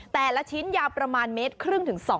แต่ละชิ้นยาวประมาณ๑๕๒เมตร